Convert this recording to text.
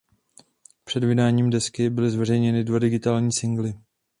Před vydáním desky byly zveřejněny dva digitální singly.